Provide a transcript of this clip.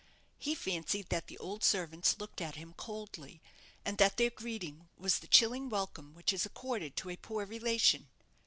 He fancied that the old servants looked at him coldly, and that their greeting was the chilling welcome which is accorded to a poor relation.